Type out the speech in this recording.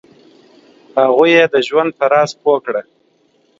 هغوی یې د ژوند په راز پوه کړه.